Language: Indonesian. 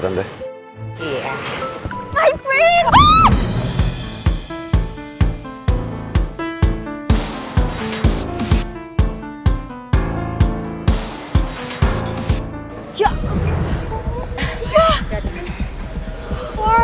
lo udah tau belum tempatnya dimana